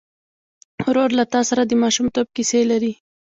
ورور له تا سره د ماشومتوب کیسې لري.